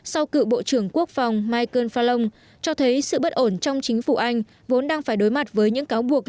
sau cựu bộ trưởng quốc phòng michael falong cho thấy sự bất ổn trong chính phủ anh vốn đang phải đối mặt với những cáo buộc